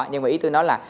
nhưng mà ý tôi nói là